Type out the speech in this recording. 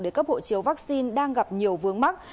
để cấp hộ chiếu vaccine đang gặp nhiều vướng mắt